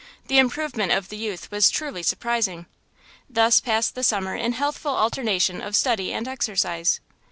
The improvement of the youth was truly surprising. Thus passed the summer in healthful alternation of study and exercise.